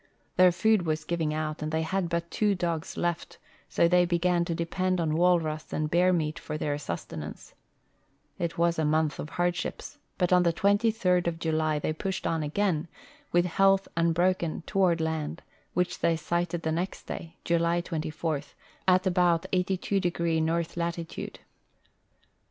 Their food was giving out and the}'' had but two dogs left, so they began to depend on walrus and hear meat for their sustenance. It was a month of hardships, hut on the 23d of July they pushed on again, wdth health un broken, toward land, Avhich they sighted the next day, July 24, at about 82° north latitude.